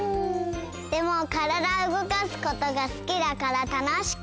でもからだうごかすことがすきだからたのしかった！